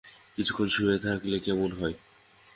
কিছুক্ষণ শুয়ে থাকলে কেমন হয়?